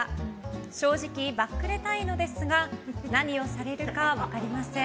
正直、バックレたいのですが何をされるか分かりません。